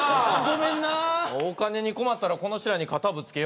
お金に困ったらこの人らに肩ぶつけよ。